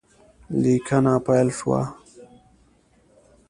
لیکنه پیل شوه